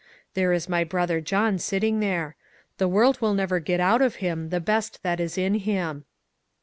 There is my brother John sitting there ; the world will never get out of him the best that is in him."